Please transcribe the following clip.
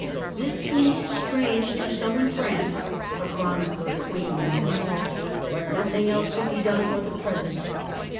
" This seemed strange to some in France," a chronicler quaintly remarks, " but nothing else could be done for the present."